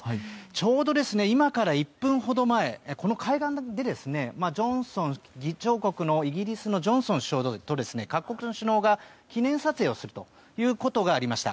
ちょうど今から１分ほど前この会談で議長国のイギリスのジョンソン首相と各国の首脳が記念撮影をすることがありました。